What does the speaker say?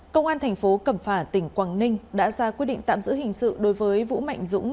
công an thành phố cẩm phả tỉnh quảng ninh đã ra quyết định tạm giữ hình sự đối với vũ mạnh dũng